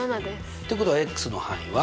ってことはの範囲は？